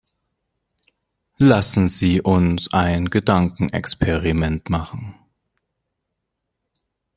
Lassen Sie uns ein Gedankenexperiment machen.